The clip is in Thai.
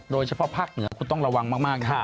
โดยเฉพาะภาคเหนือคุณต้องระวังมากนะฮะ